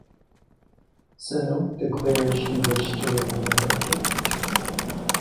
Sinope declared she wished to remain a virgin.